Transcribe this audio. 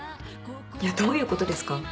いやどういうことですか？